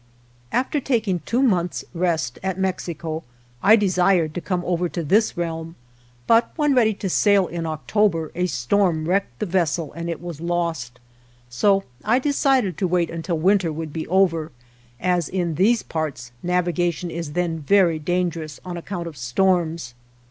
After taking two months' rest at Mexico I desired to come over to this realm, but when ready to sail in October, a storm wrecked the vessel and it was lost. So I de termined to wait until winter would be over, as in these parts navigation is then very dangerous on account of storms.